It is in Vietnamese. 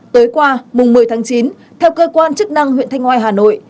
tới qua mùng một mươi tháng chín theo cơ quan chức năng huyện thanh oai hà nội